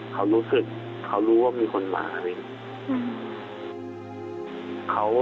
เขารู้ว่ามีคนมา